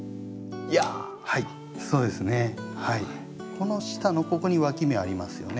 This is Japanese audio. この下のここにわき芽ありますよね。